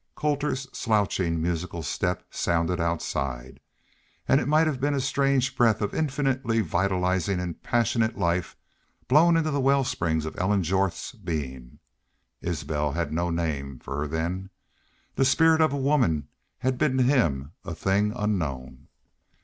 Colter's slouching, musical step sounded outside. And it might have been a strange breath of infinitely vitalizing and passionate life blown into the well springs of Ellen Jorth's being. Isbel had no name for her then. The spirit of a woman had been to him a thing unknown.